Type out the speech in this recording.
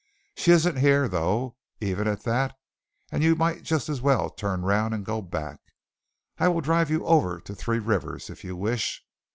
She isn't here, though, even at that, and you might just as well turn round and go back. I will drive you over to Three Rivers, if you wish.